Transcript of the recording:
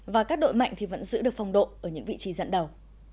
và các đội mạnh vẫn giữ được phong độ ở những vị trí dẫn đầu